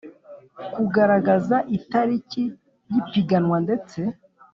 Kugaragaza itariki y ipiganwa ndetse